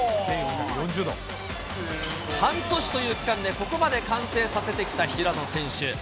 半年という期間でここまで完成させてきた平野選手。